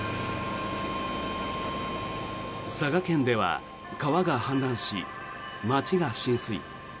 佐賀県では川が氾濫し町が浸水。